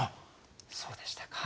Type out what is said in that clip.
そうでしたか。